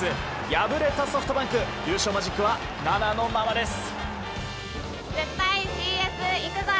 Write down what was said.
敗れたソフトバンク優勝マジックは７のままです。